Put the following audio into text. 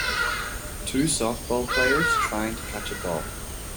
Two softball players trying to catch a ball